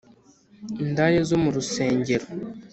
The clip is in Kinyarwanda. indaya zo mu rusengero